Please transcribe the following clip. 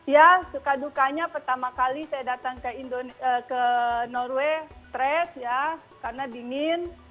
ya suka dukanya pertama kali saya datang ke norway stres ya karena dingin